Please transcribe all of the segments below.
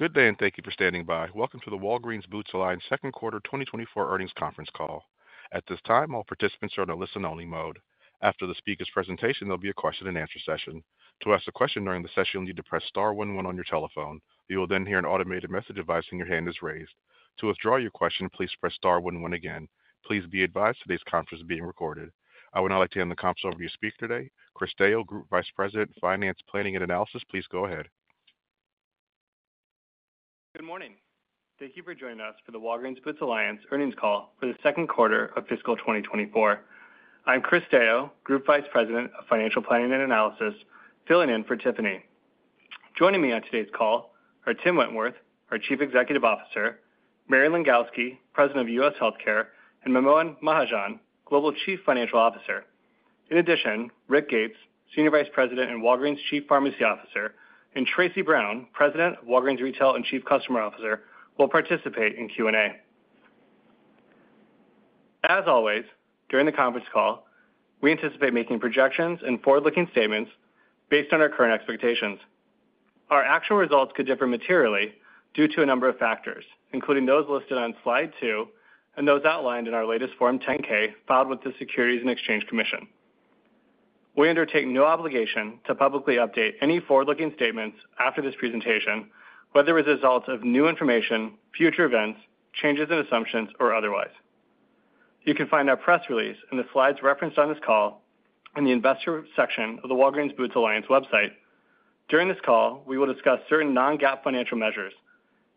Good day and thank you for standing by. Welcome to the Walgreens Boots Alliance second quarter 2024 earnings conference call. At this time, all participants are in a listen-only mode. After the speaker's presentation, there'll be a question-and-answer session. To ask a question during the session, you'll need to press star one one on your telephone. You will then hear an automated message advising your hand is raised. To withdraw your question, please press star one one again. Please be advised today's conference is being recorded. I would now like to hand the conference over to your speaker today, Chris Deyo, Group Vice President, Finance Planning and Analysis. Please go ahead. Good morning. Thank you for joining us for the Walgreens Boots Alliance earnings call for the second quarter of fiscal 2024. I'm Chris Deyo, Group Vice President of Financial Planning and Analysis, filling in for Tiffany. Joining me on today's call are Tim Wentworth, our Chief Executive Officer, Mary Langowski, President of U.S. Healthcare, and Manmohan Mahajan, Global Chief Financial Officer. In addition, Rick Gates, Senior Vice President and Walgreens Chief Pharmacy Officer, and Tracey Brown, President of Walgreens Retail and Chief Customer Officer, will participate in Q&A. As always, during the conference call, we anticipate making projections and forward-looking statements based on our current expectations. Our actual results could differ materially due to a number of factors, including those listed on slide 2 and those outlined in our latest Form 10-K filed with the Securities and Exchange Commission. We undertake no obligation to publicly update any forward-looking statements after this presentation, whether as a result of new information, future events, changes in assumptions, or otherwise. You can find our press release and the slides referenced on this call in the Investor section of the Walgreens Boots Alliance website. During this call, we will discuss certain non-GAAP financial measures.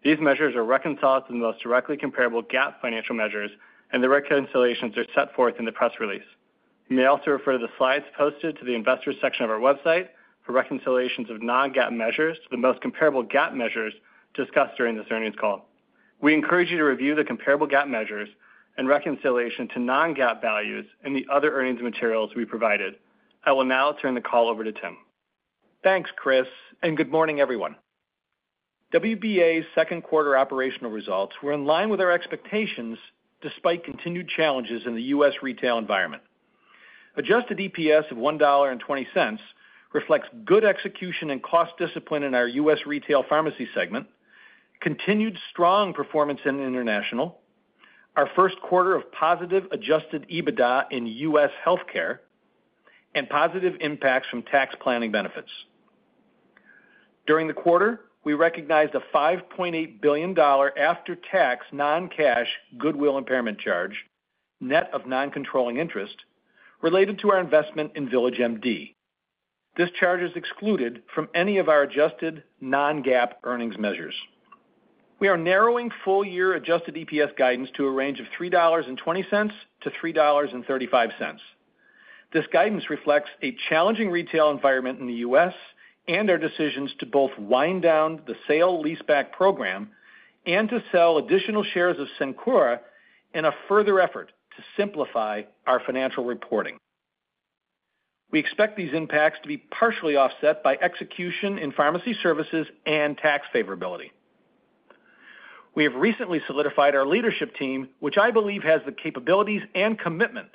These measures are reconciled to the most directly comparable GAAP financial measures, and the reconciliations are set forth in the press release. You may also refer to the slides posted to the Investor section of our website for reconciliations of non-GAAP measures to the most comparable GAAP measures discussed during this earnings call. We encourage you to review the comparable GAAP measures and reconciliation to non-GAAP values in the other earnings materials we provided. I will now turn the call over to Tim. Thanks, Chris, and good morning, everyone. WBA's second quarter operational results were in line with our expectations despite continued challenges in the U.S. retail environment. Adjusted EPS of $1.20 reflects good execution and cost discipline in our U.S. retail pharmacy segment, continued strong performance in international, our first quarter of positive Adjusted EBITDA in U.S. healthcare, and positive impacts from tax planning benefits. During the quarter, we recognized a $5.8 billion after-tax non-cash goodwill impairment charge, net of non-controlling interest, related to our investment in VillageMD. This charge is excluded from any of our adjusted non-GAAP earnings measures. We are narrowing full-year adjusted EPS guidance to a range of $3.20-$3.35. This guidance reflects a challenging retail environment in the U.S. and our decisions to both wind down the sale-leaseback program and to sell additional shares of Cencora in a further effort to simplify our financial reporting. We expect these impacts to be partially offset by execution in pharmacy services and tax favorability. We have recently solidified our leadership team, which I believe has the capabilities and commitment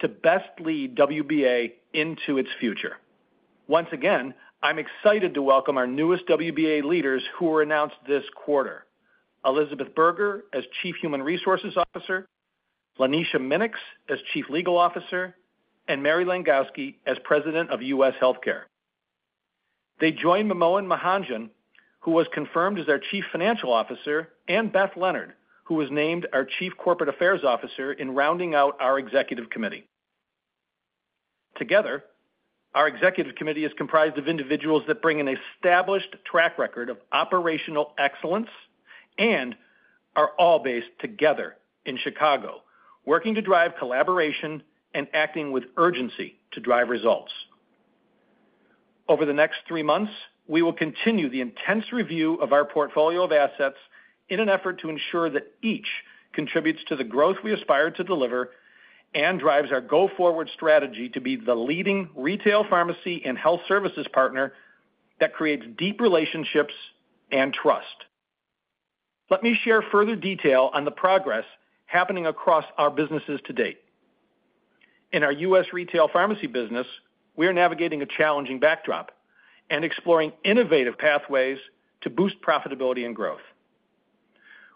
to best lead WBA into its future. Once again, I'm excited to welcome our newest WBA leaders who were announced this quarter: Elizabeth Burger as Chief Human Resources Officer, Lanisha Minnix as Chief Legal Officer, and Mary Langowski as President of U.S. Healthcare. They join Manmohan Mahajan, who was confirmed as our Chief Financial Officer, and Beth Leonard, who was named our Chief Corporate Affairs Officer in rounding out our Executive Committee. Together, our Executive Committee is comprised of individuals that bring an established track record of operational excellence and are all based together in Chicago, working to drive collaboration and acting with urgency to drive results. Over the next three months, we will continue the intense review of our portfolio of assets in an effort to ensure that each contributes to the growth we aspire to deliver and drives our go-forward strategy to be the leading retail pharmacy and health services partner that creates deep relationships and trust. Let me share further detail on the progress happening across our businesses to date. In our U.S. retail pharmacy business, we are navigating a challenging backdrop and exploring innovative pathways to boost profitability and growth.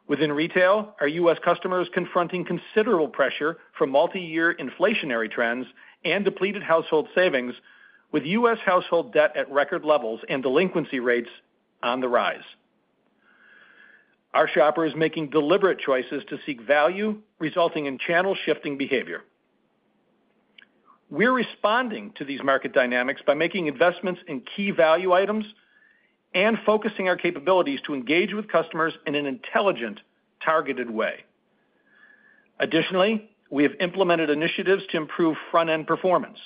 Within retail, our U.S. customers are confronting considerable pressure from multi-year inflationary trends and depleted household savings, with U.S. household debt at record levels and delinquency rates on the rise. Our shoppers are making deliberate choices to seek value, resulting in channel-shifting behavior. We are responding to these market dynamics by making investments in key value items and focusing our capabilities to engage with customers in an intelligent, targeted way. Additionally, we have implemented initiatives to improve front-end performance.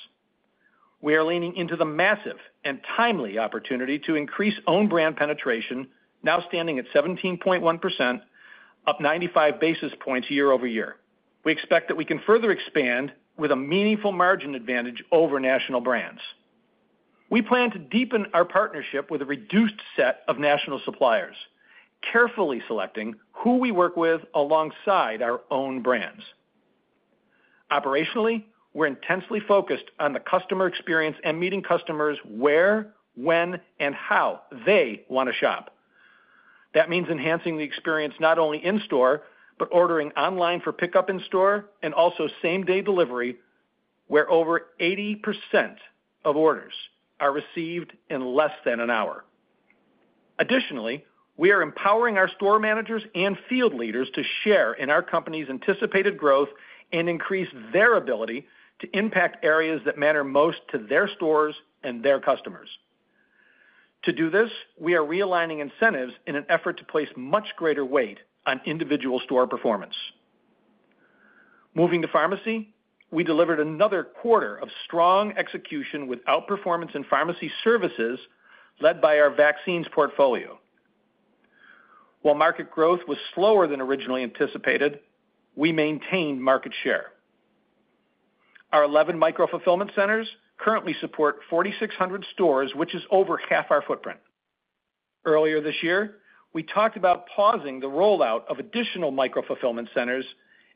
We are leaning into the massive and timely opportunity to increase own-brand penetration, now standing at 17.1%, up 95 basis points year-over-year. We expect that we can further expand with a meaningful margin advantage over national brands. We plan to deepen our partnership with a reduced set of national suppliers, carefully selecting who we work with alongside our own brands. Operationally, we're intensely focused on the customer experience and meeting customers where, when, and how they want to shop. That means enhancing the experience not only in-store but ordering online for pickup in-store and also same-day delivery, where over 80% of orders are received in less than an hour. Additionally, we are empowering our store managers and field leaders to share in our company's anticipated growth and increase their ability to impact areas that matter most to their stores and their customers. To do this, we are realigning incentives in an effort to place much greater weight on individual store performance. Moving to pharmacy, we delivered another quarter of strong execution without performance in pharmacy services led by our vaccines portfolio. While market growth was slower than originally anticipated, we maintained market share. Our 11 micro-fulfillment centers currently support 4,600 stores, which is over half our footprint. Earlier this year, we talked about pausing the rollout of additional micro-fulfillment centers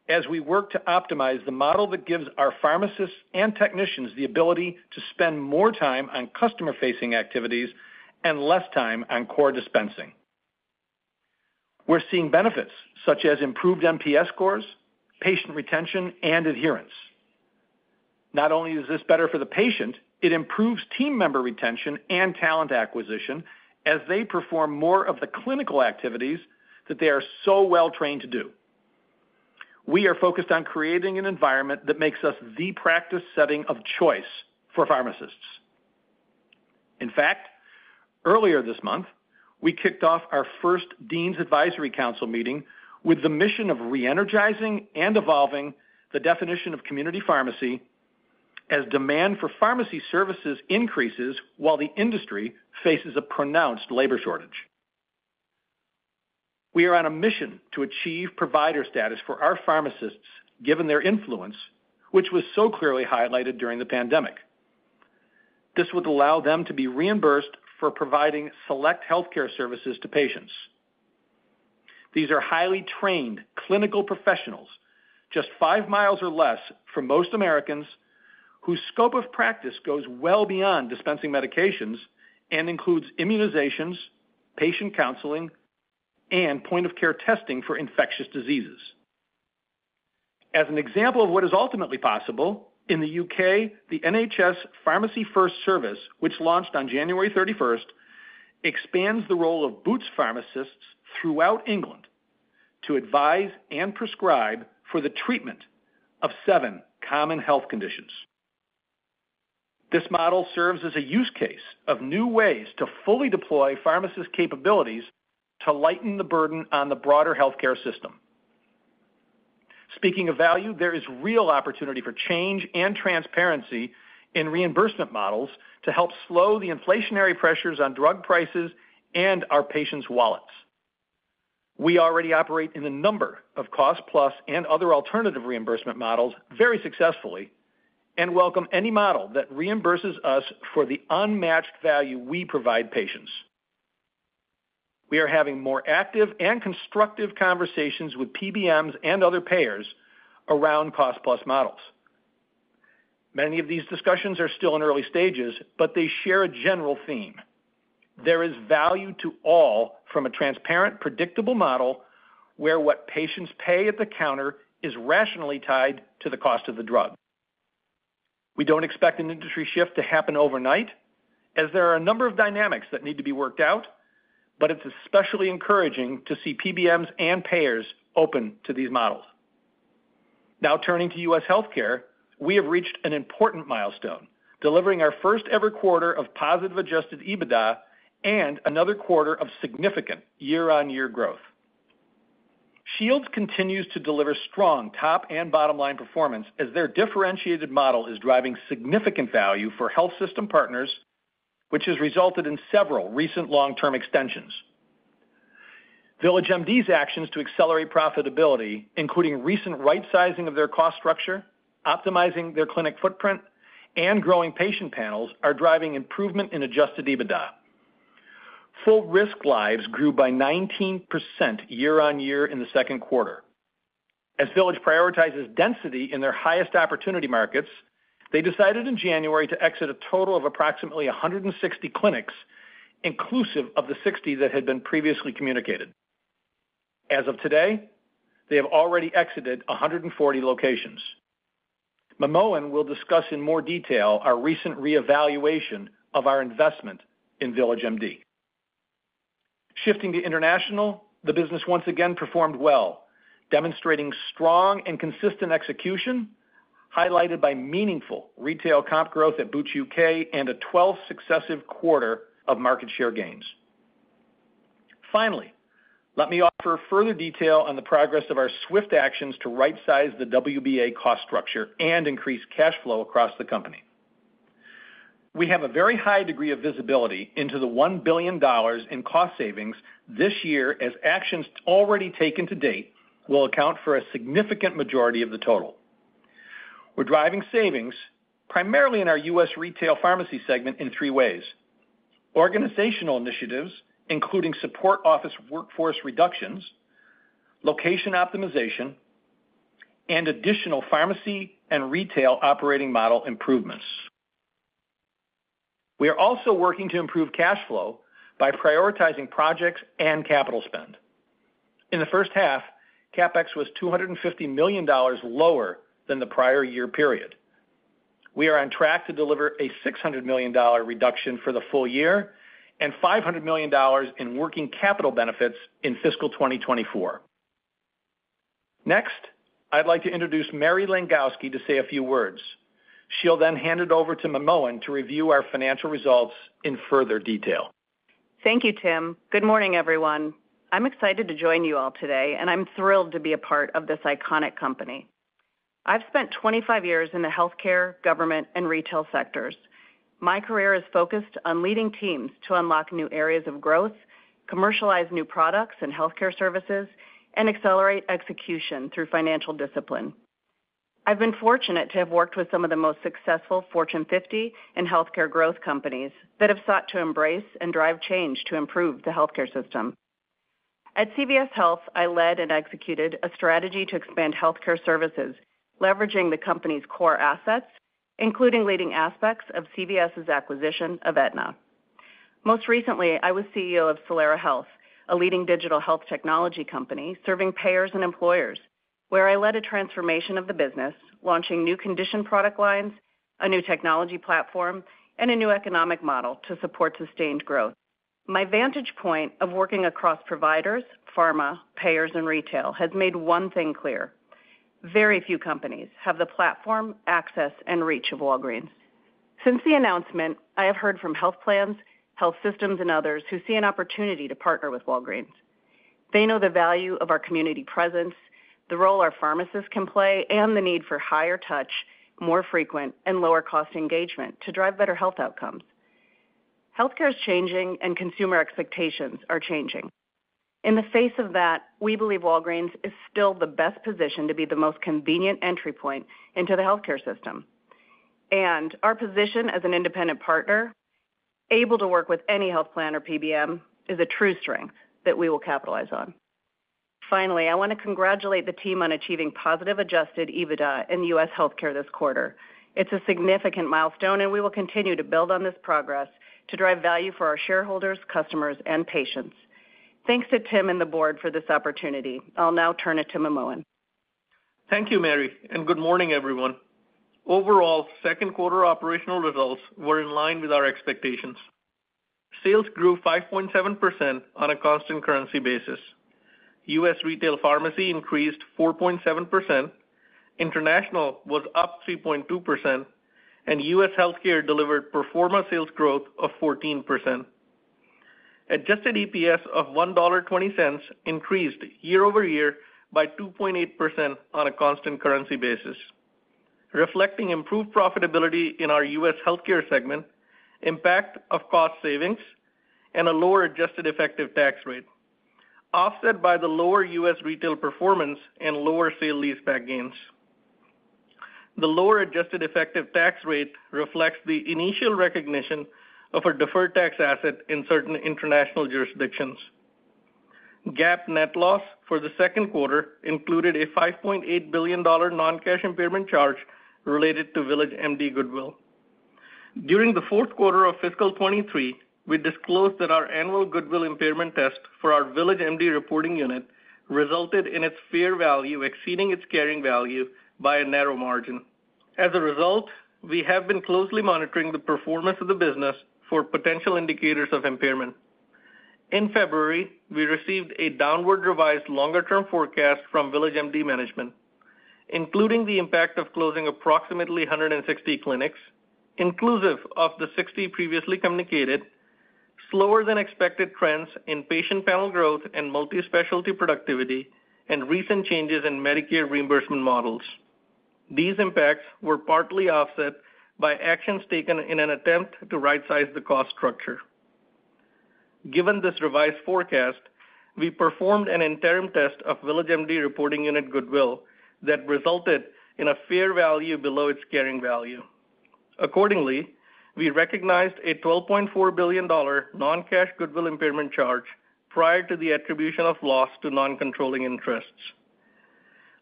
as we worked to optimize the model that gives our pharmacists and technicians the ability to spend more time on customer-facing activities and less time on core dispensing. We're seeing benefits such as improved NPS scores, patient retention, and adherence. Not only is this better for the patient, it improves team member retention and talent acquisition as they perform more of the clinical activities that they are so well trained to do. We are focused on creating an environment that makes us the practice setting of choice for pharmacists. In fact, earlier this month, we kicked off our first Deans Advisory Council meeting with the mission of re-energizing and evolving the definition of community pharmacy as demand for pharmacy services increases while the industry faces a pronounced labor shortage. We are on a mission to achieve provider status for our pharmacists, given their influence, which was so clearly highlighted during the pandemic. This would allow them to be reimbursed for providing select healthcare services to patients. These are highly trained clinical professionals, just five miles or less from most Americans, whose scope of practice goes well beyond dispensing medications and includes immunizations, patient counseling, and point-of-care testing for infectious diseases. As an example of what is ultimately possible, in the U.K., the NHS Pharmacy First Service, which launched on January 31, expands the role of Boots pharmacists throughout England to advise and prescribe for the treatment of seven common health conditions. This model serves as a use case of new ways to fully deploy pharmacists' capabilities to lighten the burden on the broader healthcare system. Speaking of value, there is real opportunity for change and transparency in reimbursement models to help slow the inflationary pressures on drug prices and our patients' wallets. We already operate in a number of cost-plus and other alternative reimbursement models very successfully and welcome any model that reimburses us for the unmatched value we provide patients. We are having more active and constructive conversations with PBMs and other payers around cost-plus models. Many of these discussions are still in early stages, but they share a general theme: there is value to all from a transparent, predictable model where what patients pay at the counter is rationally tied to the cost of the drug. We don't expect an industry shift to happen overnight, as there are a number of dynamics that need to be worked out, but it's especially encouraging to see PBMs and payers open to these models. Now, turning to U.S. healthcare, we have reached an important milestone, delivering our first-ever quarter of positive Adjusted EBITDA and another quarter of significant year-on-year growth. Shields continues to deliver strong top and bottom-line performance as their differentiated model is driving significant value for health system partners, which has resulted in several recent long-term extensions. VillageMD's actions to accelerate profitability, including recent right-sizing of their cost structure, optimizing their clinic footprint, and growing patient panels, are driving improvement in Adjusted EBITDA. Full-risk lives grew by 19% year-on-year in the second quarter. As VillageMD prioritizes density in their highest opportunity markets, they decided in January to exit a total of approximately 160 clinics, inclusive of the 60 that had been previously communicated. As of today, they have already exited 140 locations. Manmohan will discuss in more detail our recent reevaluation of our investment in VillageMD. Shifting to international, the business once again performed well, demonstrating strong and consistent execution highlighted by meaningful retail comp growth at Boots UK. A 12th successive quarter of market share gains. Finally, let me offer further detail on the progress of our swift actions to right-size the WBA cost structure and increase cash flow across the company. We have a very high degree of visibility into the $1 billion in cost savings this year as actions already taken to date will account for a significant majority of the total. We're driving savings primarily in our U.S. retail pharmacy segment in three ways: organizational initiatives, including support office workforce reductions, location optimization, and additional pharmacy and retail operating model improvements. We are also working to improve cash flow by prioritizing projects and capital spend. In the first half, CapEx was $250 million lower than the prior year period. We are on track to deliver a $600 million reduction for the full year and $500 million in working capital benefits in fiscal 2024. Next, I'd like to introduce Mary Langowski to say a few words. She'll then hand it over to Manmohan to review our financial results in further detail. Thank you, Tim. Good morning, everyone. I'm excited to join you all today, and I'm thrilled to be a part of this iconic company. I've spent 25 years in the healthcare, government, and retail sectors. My career has focused on leading teams to unlock new areas of growth, commercialize new products and healthcare services, and accelerate execution through financial discipline. I've been fortunate to have worked with some of the most successful Fortune 50 and healthcare growth companies that have sought to embrace and drive change to improve the healthcare system. At CVS Health, I led and executed a strategy to expand healthcare services, leveraging the company's core assets, including leading aspects of CVS's acquisition of Aetna. Most recently, I was CEO of Solera Health, a leading digital health technology company serving payers and employers, where I led a transformation of the business, launching new condition product lines, a new technology platform, and a new economic model to support sustained growth. My vantage point of working across providers, pharma, payers, and retail has made one thing clear: very few companies have the platform, access, and reach of Walgreens. Since the announcement, I have heard from health plans, health systems, and others who see an opportunity to partner with Walgreens. They know the value of our community presence, the role our pharmacists can play, and the need for higher touch, more frequent, and lower-cost engagement to drive better health outcomes. Healthcare is changing, and consumer expectations are changing. In the face of that, we believe Walgreens is still the best position to be the most convenient entry point into the healthcare system. Our position as an independent partner, able to work with any health plan or PBM, is a true strength that we will capitalize on. Finally, I want to congratulate the team on achieving positive Adjusted EBITDA in the U.S. healthcare this quarter. It's a significant milestone, and we will continue to build on this progress to drive value for our shareholders, customers, and patients. Thanks to Tim and the board for this opportunity. I'll now turn it to Manmohan. Thank you, Mary, and good morning, everyone. Overall, second quarter operational results were in line with our expectations. Sales grew 5.7% on a constant currency basis. U.S. retail pharmacy increased 4.7%, international was up 3.2%, and U.S. Healthcare delivered performance sales growth of 14%. Adjusted EPS of $1.20 increased year-over-year by 2.8% on a constant currency basis, reflecting improved profitability in our U.S. Healthcare segment, impact of cost savings, and a lower adjusted effective tax rate, offset by the lower U.S. retail performance and lower sale-leaseback gains. The lower adjusted effective tax rate reflects the initial recognition of a deferred tax asset in certain international jurisdictions. GAAP net loss for the second quarter included a $5.8 billion non-cash impairment charge related to VillageMD goodwill. During the fourth quarter of fiscal 2023, we disclosed that our annual goodwill impairment test for our VillageMD reporting unit resulted in its fair value exceeding its carrying value by a narrow margin. As a result, we have been closely monitoring the performance of the business for potential indicators of impairment. In February, we received a downward-revised longer-term forecast from VillageMD management, including the impact of closing approximately 160 clinics, inclusive of the 60 previously communicated, slower-than-expected trends in patient panel growth and multi-specialty productivity, and recent changes in Medicare reimbursement models. These impacts were partly offset by actions taken in an attempt to right-size the cost structure. Given this revised forecast, we performed an interim test of VillageMD reporting unit Goodwill that resulted in a fair value below its carrying value. Accordingly, we recognized a $12.4 billion non-cash Goodwill impairment charge prior to the attribution of loss to non-controlling interests.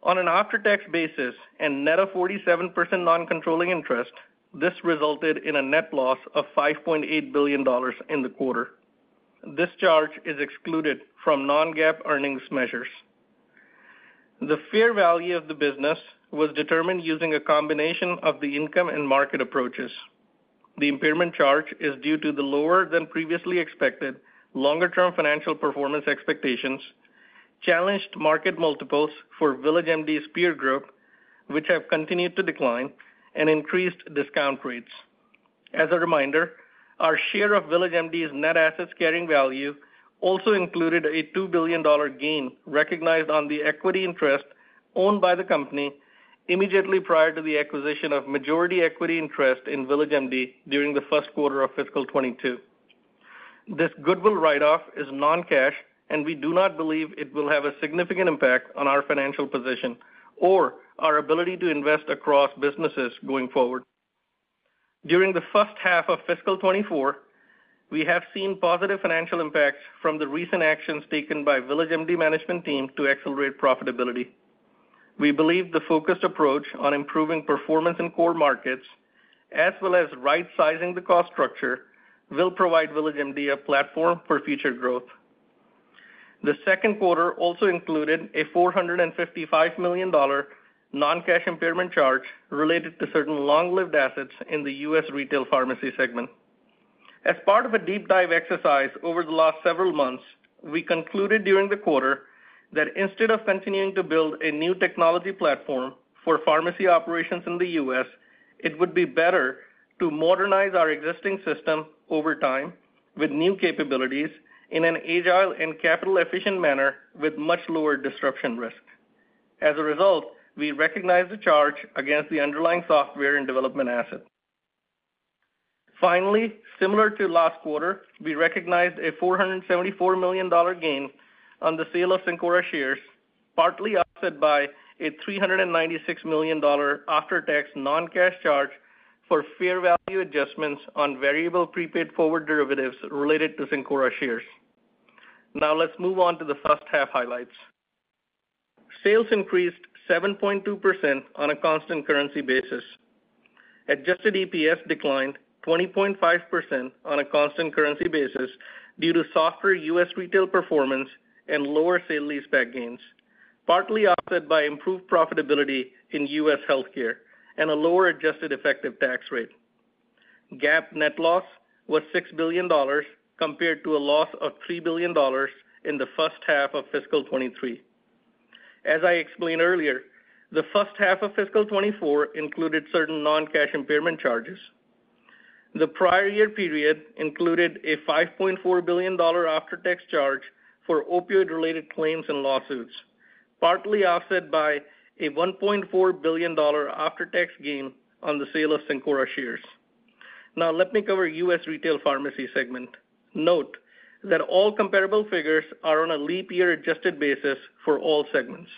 On an after-tax basis and net of 47% non-controlling interest, this resulted in a net loss of $5.8 billion in the quarter. This charge is excluded from non-GAAP earnings measures. The fair value of the business was determined using a combination of the income and market approaches. The impairment charge is due to the lower-than-previously-expected longer-term financial performance expectations, challenged market multiples for VillageMD's peer group, which have continued to decline, and increased discount rates. As a reminder, our share of VillageMD's net assets carrying value also included a $2 billion gain recognized on the equity interest owned by the company immediately prior to the acquisition of majority equity interest in VillageMD during the first quarter of fiscal 2022. This goodwill write-off is non-cash, and we do not believe it will have a significant impact on our financial position or our ability to invest across businesses going forward. During the first half of fiscal 2024, we have seen positive financial impacts from the recent actions taken by VillageMD management team to accelerate profitability. We believe the focused approach on improving performance in core markets as well as right-sizing the cost structure will provide VillageMD a platform for future growth. The second quarter also included a $455 million non-cash impairment charge related to certain long-lived assets in the U.S. retail pharmacy segment. As part of a deep-dive exercise over the last several months, we concluded during the quarter that instead of continuing to build a new technology platform for pharmacy operations in the U.S., it would be better to modernize our existing system over time with new capabilities in an agile and capital-efficient manner with much lower disruption risk. As a result, we recognized the charge against the underlying software and development assets. Finally, similar to last quarter, we recognized a $474 million gain on the sale of Cencora shares, partly offset by a $396 million after-tax non-cash charge for fair value adjustments on variable prepaid forward derivatives related to Cencora shares. Now, let's move on to the first half highlights. Sales increased 7.2% on a constant currency basis. Adjusted EPS declined 20.5% on a constant currency basis due to softer U.S. retail performance and lower sale-leaseback gains, partly offset by improved profitability in U.S. healthcare and a lower adjusted effective tax rate. GAAP net loss was $6 billion compared to a loss of $3 billion in the first half of fiscal 2023. As I explained earlier, the first half of fiscal 2024 included certain non-cash impairment charges. The prior year period included a $5.4 billion after-tax charge for opioid-related claims and lawsuits, partly offset by a $1.4 billion after-tax gain on the sale of Cencora shares. Now, let me cover U.S. retail pharmacy segment. Note that all comparable figures are on a leap year-adjusted basis for all segments.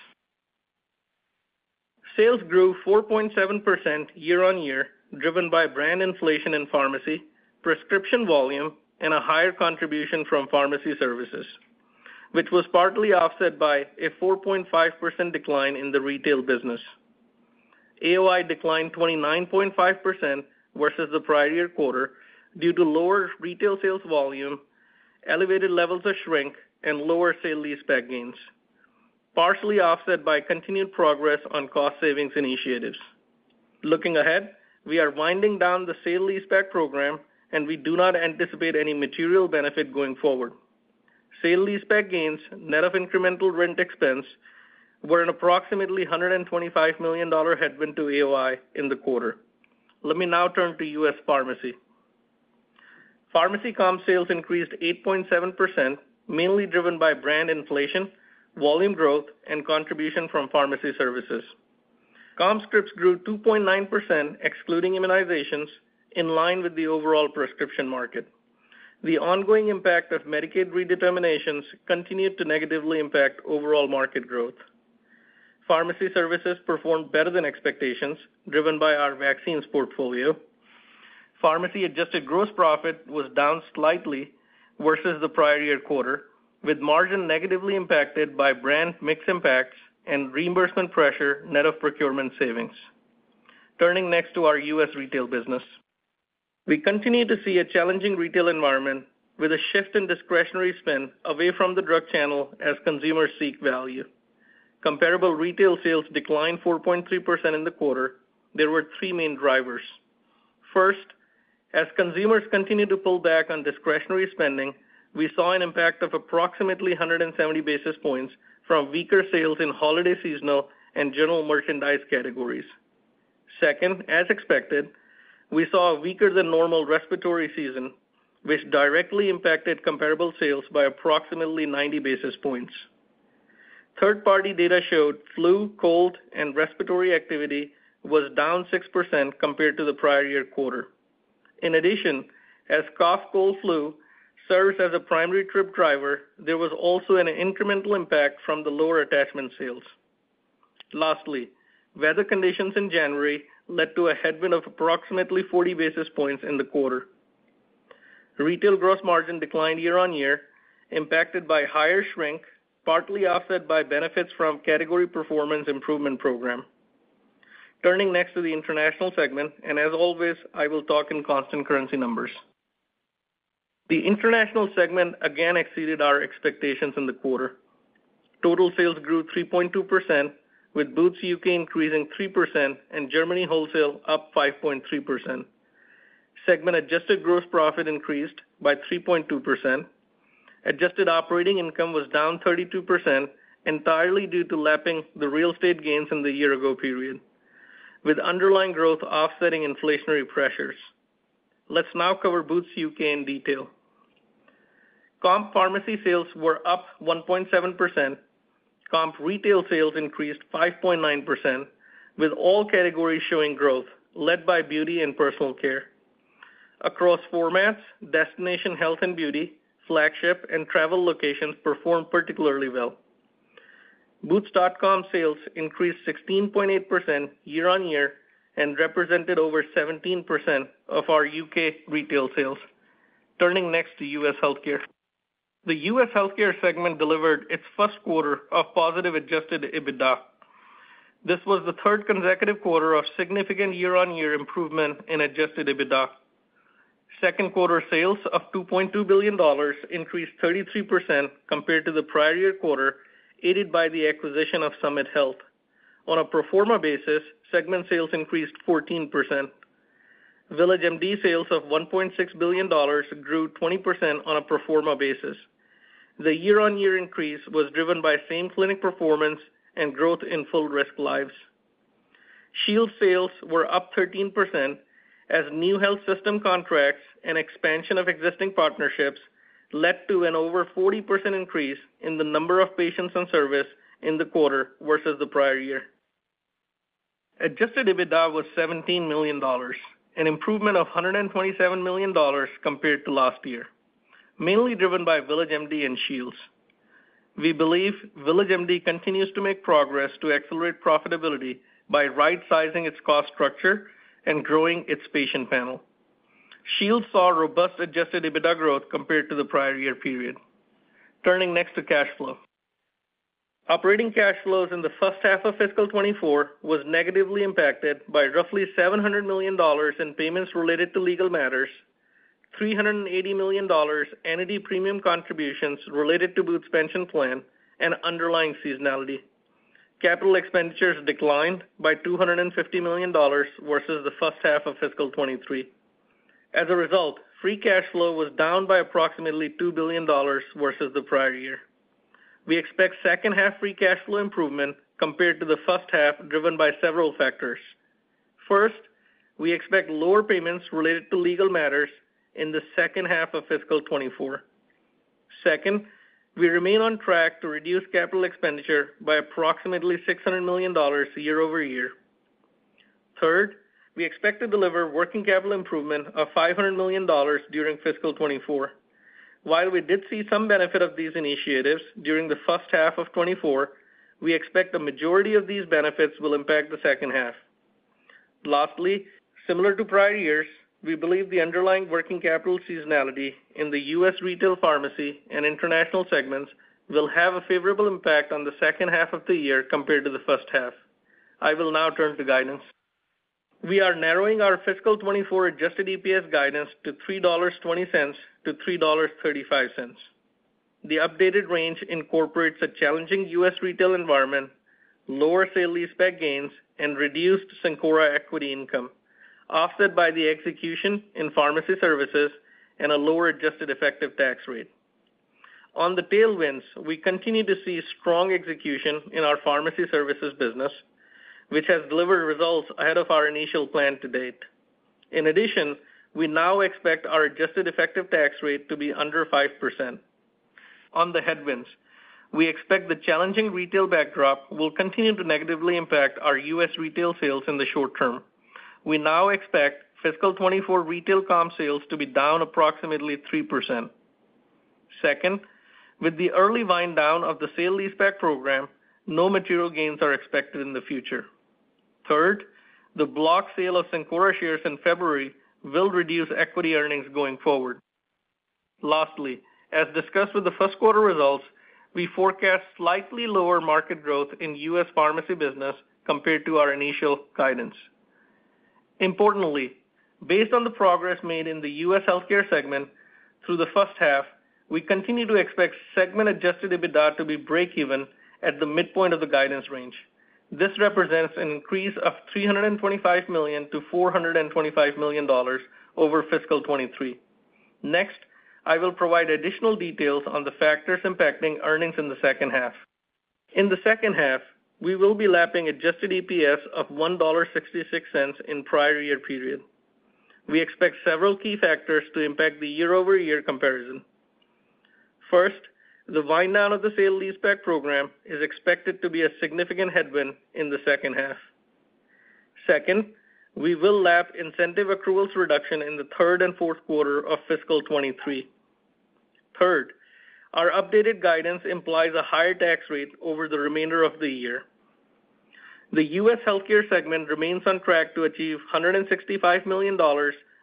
Sales grew 4.7% year-on-year, driven by brand inflation in pharmacy, prescription volume, and a higher contribution from pharmacy services, which was partly offset by a 4.5% decline in the retail business. AOI declined 29.5% versus the prior year quarter due to lower retail sales volume, elevated levels of shrink, and lower sale-leaseback gains, partially offset by continued progress on cost savings initiatives. Looking ahead, we are winding down the sale-leaseback program, and we do not anticipate any material benefit going forward. Sale-leaseback gains, net of incremental rent expense, were an approximately $125 million headwind to AOI in the quarter. Let me now turn to U.S. pharmacy. Pharmacy comp sales increased 8.7%, mainly driven by brand inflation, volume growth, and contribution from pharmacy services. Comp scripts grew 2.9%, excluding immunizations, in line with the overall prescription market. The ongoing impact of Medicaid redeterminations continued to negatively impact overall market growth. Pharmacy services performed better than expectations, driven by our vaccines portfolio. Pharmacy adjusted gross profit was down slightly versus the prior year quarter, with margin negatively impacted by brand mix impacts and reimbursement pressure net of procurement savings. Turning next to our U.S. retail business. We continue to see a challenging retail environment with a shift in discretionary spend away from the drug channel as consumers seek value. Comparable retail sales declined 4.3% in the quarter. There were three main drivers. First, as consumers continue to pull back on discretionary spending, we saw an impact of approximately 170 basis points from weaker sales in holiday seasonal and general merchandise categories. Second, as expected, we saw a weaker-than-normal respiratory season, which directly impacted comparable sales by approximately 90 basis points. Third-party data showed flu, cold, and respiratory activity was down 6% compared to the prior-year quarter. In addition, as cough, cold, flu serve as a primary trip driver, there was also an incremental impact from the lower attachment sales. Lastly, weather conditions in January led to a headwind of approximately 40 basis points in the quarter. Retail gross margin declined year-on-year, impacted by higher shrink, partly offset by benefits from category performance improvement program. Turning next to the international segment, and as always, I will talk in constant currency numbers. The international segment again exceeded our expectations in the quarter. Total sales grew 3.2%, with Boots UK increasing 3% and Germany wholesale up 5.3%. Segment adjusted gross profit increased by 3.2%. Adjusted operating income was down 32%, entirely due to lapping the real estate gains in the year-ago period, with underlying growth offsetting inflationary pressures. Let's now cover Boots UK in detail. Comp pharmacy sales were up 1.7%. Comp retail sales increased 5.9%, with all categories showing growth, led by beauty and personal care. Across formats, destination health and beauty, flagship, and travel locations performed particularly well. Boots.com sales increased 16.8% year-on-year and represented over 17% of our U.K. retail sales. Turning next to U.S. healthcare. The U.S. healthcare segment delivered its first quarter of positive Adjusted EBITDA. This was the third consecutive quarter of significant year-on-year improvement in Adjusted EBITDA. Second quarter sales of $2.2 billion increased 33% compared to the prior year quarter, aided by the acquisition of Summit Health. On a pro forma basis, segment sales increased 14%. VillageMD sales of $1.6 billion grew 20% on a pro forma basis. The year-on-year increase was driven by same clinic performance and growth in full-risk lives. Shields sales were up 13% as new health system contracts and expansion of existing partnerships led to an over 40% increase in the number of patients on service in the quarter versus the prior year. Adjusted EBITDA was $17 million, an improvement of $127 million compared to last year, mainly driven by VillageMD and Shields. We believe VillageMD continues to make progress to accelerate profitability by right-sizing its cost structure and growing its patient panel. Shields saw robust Adjusted EBITDA growth compared to the prior year period. Turning next to cash flow. Operating cash flows in the first half of fiscal 2024 were negatively impacted by roughly $700 million in payments related to legal matters, $380 million entity premium contributions related to Boots' pension plan, and underlying seasonality. Capital expenditures declined by $250 million versus the first half of fiscal 2023. As a result, free cash flow was down by approximately $2 billion versus the prior year. We expect second half free cash flow improvement compared to the first half driven by several factors. First, we expect lower payments related to legal matters in the second half of fiscal 2024. Second, we remain on track to reduce capital expenditure by approximately $600 million year-over-year. Third, we expect to deliver working capital improvement of $500 million during fiscal 2024. While we did see some benefit of these initiatives during the first half of 2024, we expect the majority of these benefits will impact the second half. Lastly, similar to prior years, we believe the underlying working capital seasonality in the U.S. retail pharmacy and international segments will have a favorable impact on the second half of the year compared to the first half. I will now turn to guidance. We are narrowing our fiscal 2024 adjusted EPS guidance to $3.20-$3.35. The updated range incorporates a challenging U.S. retail environment, lower sale-leaseback gains, and reduced Cencora equity income, offset by the execution in pharmacy services and a lower adjusted effective tax rate. On the tailwinds, we continue to see strong execution in our pharmacy services business, which has delivered results ahead of our initial plan to date. In addition, we now expect our Adjusted effective tax rate to be under 5%. On the headwinds, we expect the challenging retail backdrop will continue to negatively impact our U.S. retail sales in the short term. We now expect fiscal 2024 retail comp sales to be down approximately 3%. Second, with the early wind-down of the sale-leaseback program, no material gains are expected in the future. Third, the block sale of Cencora shares in February will reduce equity earnings going forward. Lastly, as discussed with the first quarter results, we forecast slightly lower market growth in U.S. pharmacy business compared to our initial guidance. Importantly, based on the progress made in the U.S. healthcare segment through the first half, we continue to expect segment Adjusted EBITDA to be break-even at the midpoint of the guidance range. This represents an increase of $325 million-$425 million over fiscal 2023. Next, I will provide additional details on the factors impacting earnings in the second half. In the second half, we will be lapping Adjusted EPS of $1.66 in the prior year period. We expect several key factors to impact the year-over-year comparison. First, the wind-down of the sale-leaseback program is expected to be a significant headwind in the second half. Second, we will lap incentive accruals reduction in the third and fourth quarter of fiscal 2023. Third, our updated guidance implies a higher tax rate over the remainder of the year. The U.S. healthcare segment remains on track to achieve $165 million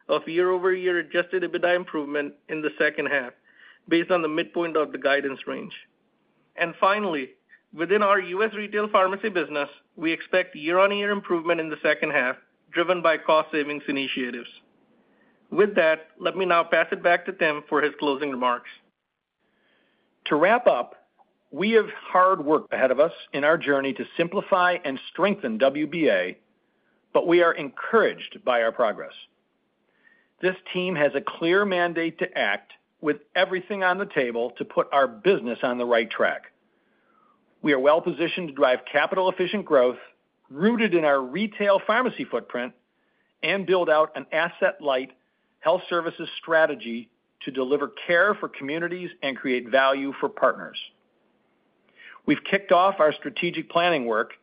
of year-over-year Adjusted EBITDA improvement in the second half based on the midpoint of the guidance range. And finally, within our U.S. retail pharmacy business, we expect year-on-year improvement in the second half driven by cost savings initiatives. With that, let me now pass it back to Tim for his closing remarks. To wrap up, we have hard work ahead of us in our journey to simplify and strengthen WBA, but we are encouraged by our progress. This team has a clear mandate to act with everything on the table to put our business on the right track. We are well-positioned to drive capital-efficient growth rooted in our retail pharmacy footprint and build out an asset-light health services strategy to deliver care for communities and create value for partners. We've kicked off our strategic planning work.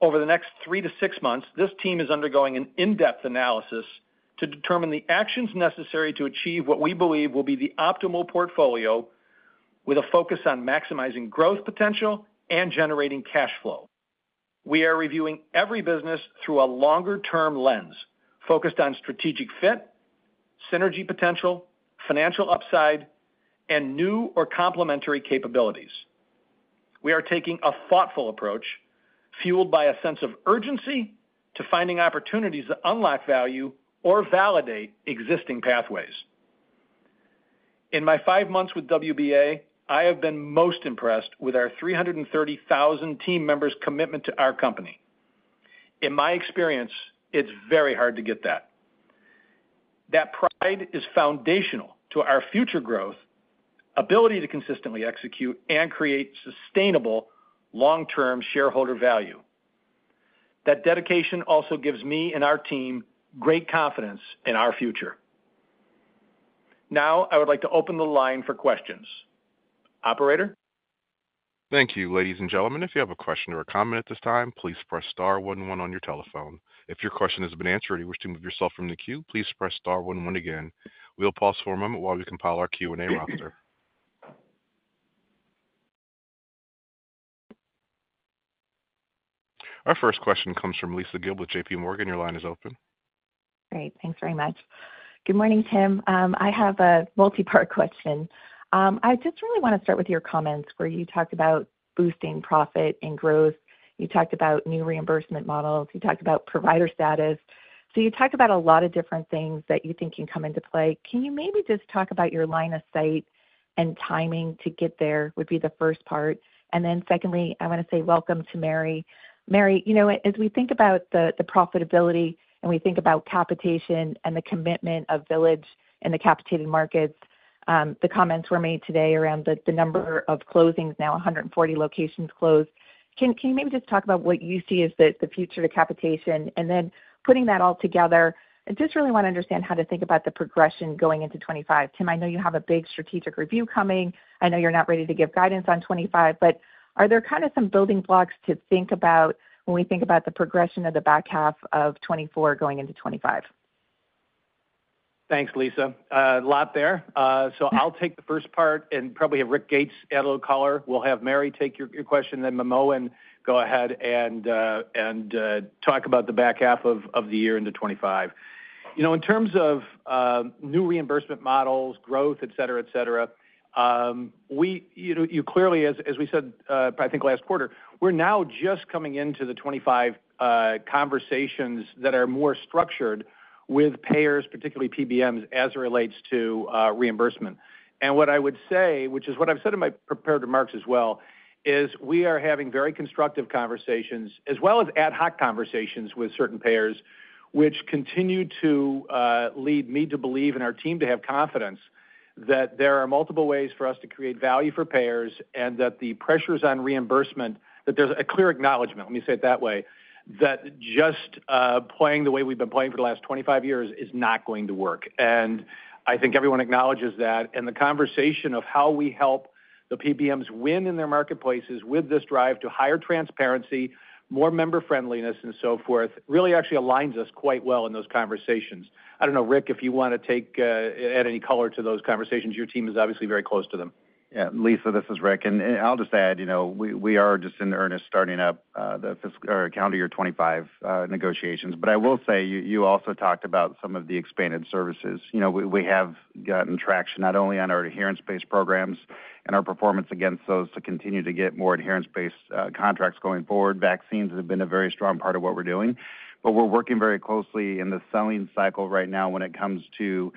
Over the next 3-6 months, this team is undergoing an in-depth analysis to determine the actions necessary to achieve what we believe will be the optimal portfolio with a focus on maximizing growth potential and generating cash flow. We are reviewing every business through a longer-term lens focused on strategic fit, synergy potential, financial upside, and new or complementary capabilities. We are taking a thoughtful approach fueled by a sense of urgency to finding opportunities that unlock value or validate existing pathways. In my 5 months with WBA, I have been most impressed with our 330,000 team members' commitment to our company. In my experience, it's very hard to get that. That pride is foundational to our future growth, ability to consistently execute, and create sustainable long-term shareholder value. That dedication also gives me and our team great confidence in our future. Now, I would like to open the line for questions. Operator. Thank you. Ladies and gentlemen, if you have a question or a comment at this time, please press star one one on your telephone. If your question has been answered or you wish to move yourself from the queue, please press star one one again. We'll pause for a moment while we compile our Q&A roster. Our first question comes from Lisa Gill with JPMorgan. Your line is open. Great. Thanks very much. Good morning, Tim. I have a multi-part question. I just really want to start with your comments where you talked about boosting profit and growth. You talked about new reimbursement models. You talked about provider status. So you talked about a lot of different things that you think can come into play. Can you maybe just talk about your line of sight and timing to get there? That would be the first part. Then secondly, I want to say welcome to Mary. Mary, you know as we think about the profitability and we think about capitation and the commitment of Village in the capitated markets, the comments were made today around the number of closings, now 140 locations closed. Can you maybe just talk about what you see as the future to capitation? And then putting that all together, I just really want to understand how to think about the progression going into 2025. Tim, I know you have a big strategic review coming. I know you're not ready to give guidance on 2025, but are there kind of some building blocks to think about when we think about the progression of the back half of 2024 going into 2025? Thanks, Lisa. Lots there. So I'll take the first part and probably have Rick Gates add a little color. We'll have Mary take your question, then Manmohan and go ahead and talk about the back half of the year into 2025. You know in terms of new reimbursement models, growth, et cetera, et cetera, you clearly, as we said, I think last quarter, we're now just coming into the 2025 conversations that are more structured with payers, particularly PBMs, as it relates to reimbursement. What I would say, which is what I've said in my prepared remarks as well, is we are having very constructive conversations as well as ad hoc conversations with certain payers, which continue to lead me to believe and our team to have confidence that there are multiple ways for us to create value for payers and that the pressures on reimbursement, that there's a clear acknowledgment, let me say it that way, that just playing the way we've been playing for the last 25 years is not going to work. And I think everyone acknowledges that. And the conversation of how we help the PBMs win in their marketplaces with this drive to higher transparency, more member-friendliness, and so forth really actually aligns us quite well in those conversations. I don't know, Rick, if you want to add any color to those conversations. Your team is obviously very close to them. Yeah. Lisa, this is Rick. And I'll just add, you know, we are just in earnest starting up the calendar year 2025 negotiations. But I will say you also talked about some of the expanded services. You know, we have gotten traction not only on our adherence-based programs and our performance against those to continue to get more adherence-based contracts going forward. Vaccines have been a very strong part of what we're doing. But we're working very closely in the selling cycle right now when it comes to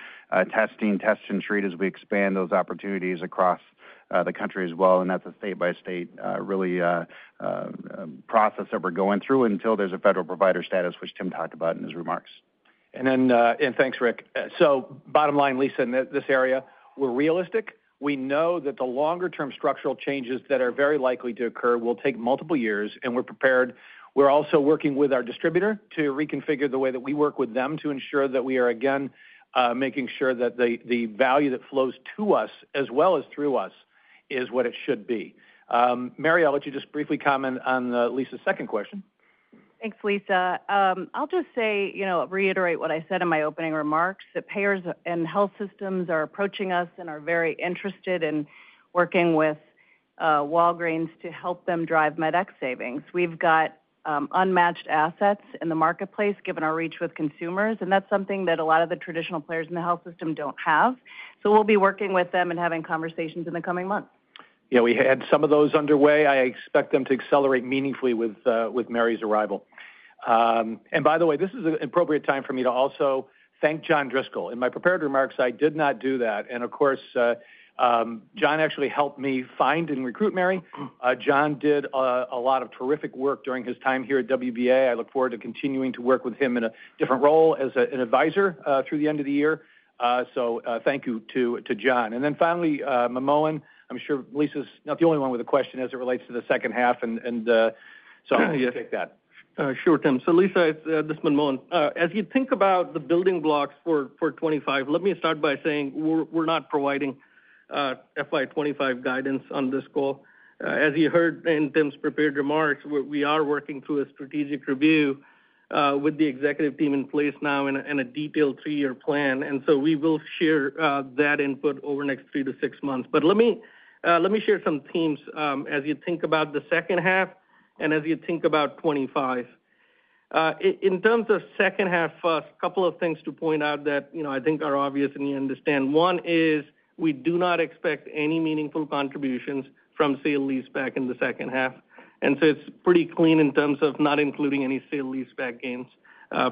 testing, test and treat as we expand those opportunities across the country as well. And that's a state-by-state really process that we're going through until there's a federal provider status, which Tim talked about in his remarks. And then thanks, Rick. So bottom line, Lisa, in this area, we're realistic. We know that the longer-term structural changes that are very likely to occur will take multiple years, and we're prepared. We're also working with our distributor to reconfigure the way that we work with them to ensure that we are again making sure that the value that flows to us as well as through us is what it should be. Mary, I'll let you just briefly comment on Lisa's second question. Thanks, Lisa. I'll just say, you know, reiterate what I said in my opening remarks, that payers and health systems are approaching us and are very interested in working with Walgreens to help them drive MedEx savings. We've got unmatched assets in the marketplace given our reach with consumers, and that's something that a lot of the traditional players in the health system don't have. So we'll be working with them and having conversations in the coming months. Yeah, we had some of those underway. I expect them to accelerate meaningfully with Mary's arrival. By the way, this is an appropriate time for me to also thank John Driscoll. In my prepared remarks, I did not do that. Of course, John actually helped me find and recruit Mary. John did a lot of terrific work during his time here at WBA. I look forward to continuing to work with him in a different role as an advisor through the end of the year. So thank you to John. Then finally, Manmohan and I'm sure Lisa's not the only one with a question as it relates to the second half, and so I'll take that. Sure, Tim. So Lisa, this is Manmohan and as you think about the building blocks for 2025, let me start by saying we're not providing FY 2025 guidance on this goal. As you heard in Tim's prepared remarks, we are working through a strategic review with the executive team in place now and a detailed 3-year plan. So we will share that input over the next 3-6 months. But let me share some themes as you think about the second half and as you think about 2025. In terms of second half, a couple of things to point out that I think are obvious and you understand. One is we do not expect any meaningful contributions from sale-leaseback in the second half. So it's pretty clean in terms of not including any sale-leaseback gains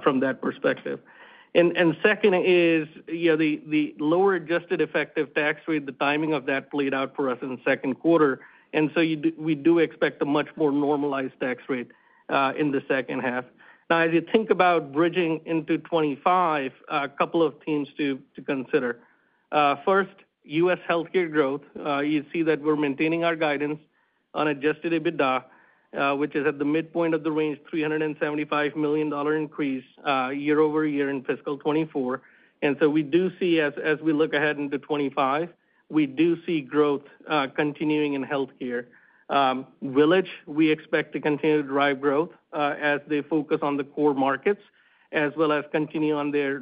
from that perspective. And second is the lower adjusted effective tax rate, the timing of that played out for us in the second quarter. So we do expect a much more normalized tax rate in the second half. Now, as you think about bridging into 2025, a couple of themes to consider. First, U.S. healthcare growth. You see that we're maintaining our guidance on Adjusted EBITDA, which is at the midpoint of the range, $375 million increase year-over-year in fiscal 2024. And so we do see as we look ahead into 2025, we do see growth continuing in healthcare. Village, we expect to continue to drive growth as they focus on the core markets as well as continue on their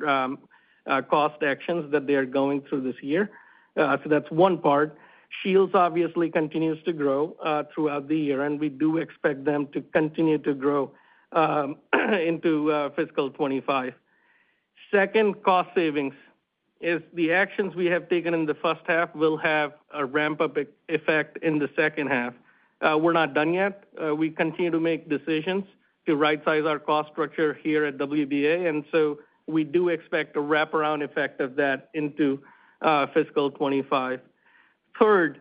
cost actions that they are going through this year. So that's one part. Shields obviously continues to grow throughout the year, and we do expect them to continue to grow into fiscal 2025. Second, cost savings. The actions we have taken in the first half will have a ramp-up effect in the second half. We're not done yet. We continue to make decisions to right-size our cost structure here at WBA, and so we do expect a wraparound effect of that into fiscal 2025. Third,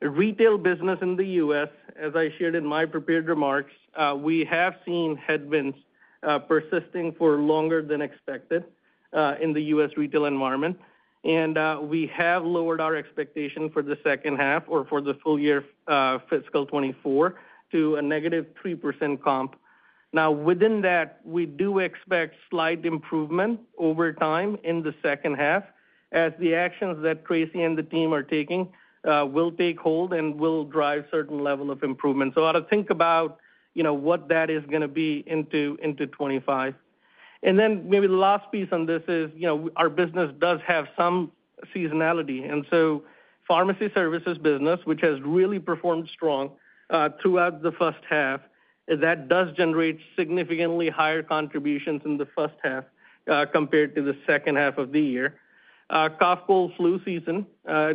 retail business in the U.S., as I shared in my prepared remarks, we have seen headwinds persisting for longer than expected in the U.S. retail environment. We have lowered our expectation for the second half or for the full year fiscal 2024 to a -3% comp. Now, within that, we do expect slight improvement over time in the second half as the actions that Tracey and the team are taking will take hold and will drive certain level of improvement. So I'll think about you know what that is going to be into 2025. And then maybe the last piece on this is you know our business does have some seasonality. And so pharmacy services business, which has really performed strong throughout the first half, that does generate significantly higher contributions in the first half compared to the second half of the year. Cough, cold, flu season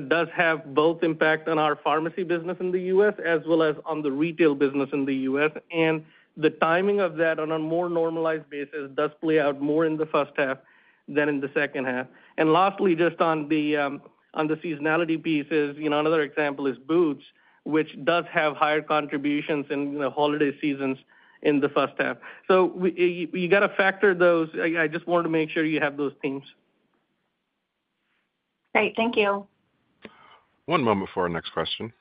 does have both impact on our pharmacy business in the U.S. as well as on the retail business in the U.S. And the timing of that on a more normalized basis does play out more in the first half than in the second half. And lastly, just on the seasonality pieces, you know another example is Boots, which does have higher contributions in the holiday seasons in the first half. So you got to factor those. I just wanted to make sure you have those themes. Great. Thank you. One moment for our next question.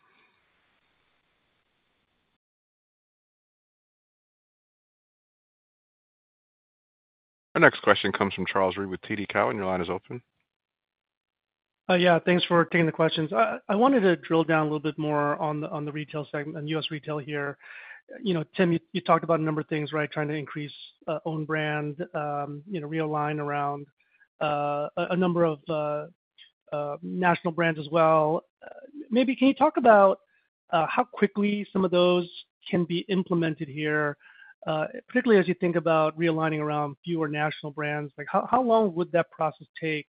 Our next question comes from Charles Rhyee with TD Cowen. Your line is open. Yeah, thanks for taking the questions. I wanted to drill down a little bit more on the retail segment and U.S. retail here. You know Tim, you talked about a number of things, right, trying to increase own brand, you know realign around a number of national brands as well. Maybe can you talk about how quickly some of those can be implemented here, particularly as you think about realigning around fewer national brands? Like how long would that process take?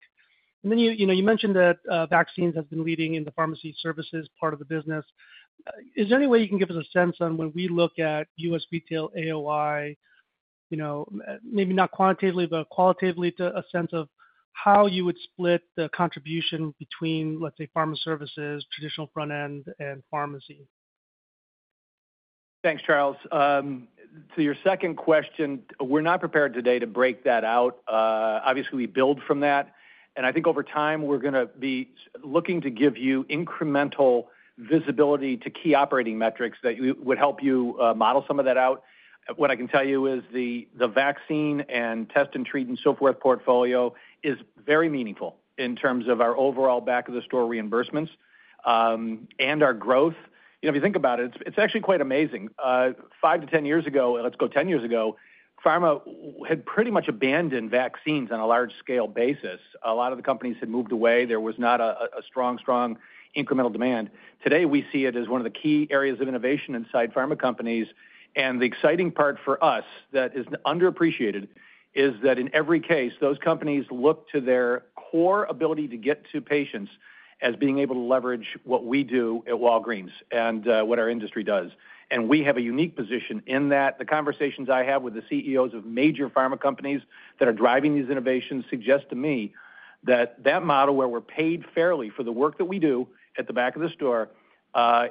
And then you mentioned that vaccines have been leading in the pharmacy services part of the business. Is there any way you can give us a sense on when we look at U.S. retail AOI, you know maybe not quantitatively, but qualitatively a sense of how you would split the contribution between, let's say, pharma services, traditional front end, and pharmacy? Thanks, Charles. To your second question, we're not prepared today to break that out. Obviously, we build from that. I think over time, we're going to be looking to give you incremental visibility to key operating metrics that would help you model some of that out. What I can tell you is the vaccine and test and treat and so forth portfolio is very meaningful in terms of our overall back-of-the-store reimbursements and our growth. You know if you think about it, it's actually quite amazing. 5-10 years ago, let's go 10 years ago, pharma had pretty much abandoned vaccines on a large scale basis. A lot of the companies had moved away. There was not a strong, strong incremental demand. Today, we see it as one of the key areas of innovation inside pharma companies. The exciting part for us that is underappreciated is that in every case, those companies look to their core ability to get to patients as being able to leverage what we do at Walgreens and what our industry does. We have a unique position in that. The conversations I have with the CEOs of major pharma companies that are driving these innovations suggest to me that that model where we're paid fairly for the work that we do at the back of the store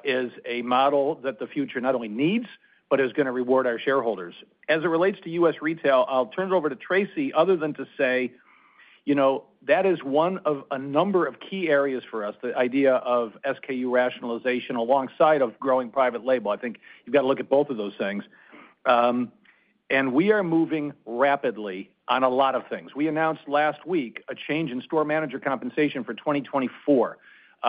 is a model that the future not only needs, but is going to reward our shareholders. As it relates to U.S. retail, I'll turn it over to Tracey other than to say, you know that is one of a number of key areas for us, the idea of SKU rationalization alongside of growing private label. I think you've got to look at both of those things. We are moving rapidly on a lot of things. We announced last week a change in store manager compensation for 2024.